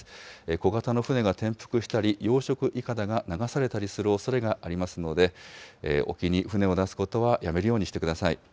小型の船が転覆したり養殖いかだが流されたりするおそれがありますので、沖に船を出すことはやめるようにしてください。